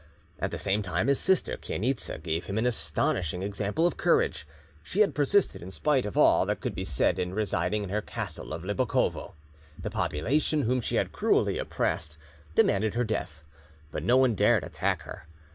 At the same time his sister Chainitza gave him an astonishing example of courage. She had persisted, in spite of all that could be said, in residing in her castle of Libokovo. The population, whom she had cruelly oppressed, demanded her death, but no one dared attack her.